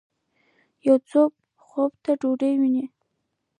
یو څوک خوب د ډوډۍ وویني